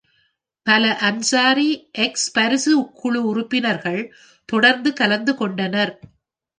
பல அன்சாரி எக்ஸ்-பரிசு குழு உறுப்பினர்கள் தொடர்ந்து கலந்து கொண்டனர்.